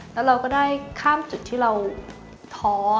แล้วเราก็ได้ข้ามจุดที่เราท้อ